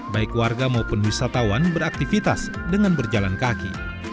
baik warga maupun wisatawan beraktivitas dengan berjalan kaki